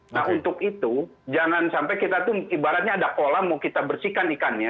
nah untuk itu jangan sampai kita tuh ibaratnya ada kolam mau kita bersihkan ikannya